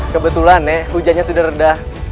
kebetulan nek hujannya sudah redah